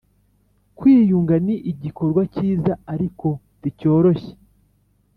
kwiyunga ni igikorwa cyiza ariko nticyoroshye